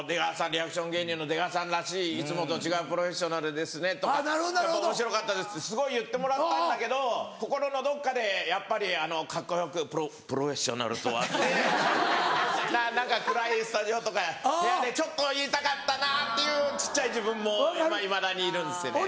リアクション芸人の出川さんらしいいつもと違う『プロフェッショナル』ですねとかおもしろかったですってすごい言ってもらったんだけど心のどっかでやっぱりカッコよく「プロフェッショナルとは」って何か暗いスタジオとか部屋でちょっと言いたかったなっていう小っちゃい自分もいまだにいるんですよね。